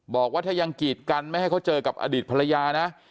บอกว่าถ้ายังกีดกันไม่ให้เขาเจอกับอดีตภรรยานะ